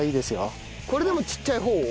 これでもちっちゃい方？